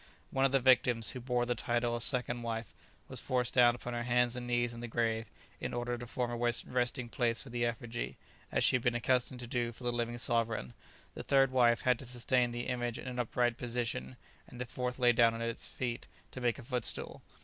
One of the victims, who bore the title of second wife, was forced down upon her hands and knees in the grave, in order to form a resting place for the effigy, as she had been accustomed to do for the living sovereign; the third wife had to sustain the image in an upright position, and the fourth lay down at its feet to make a footstool.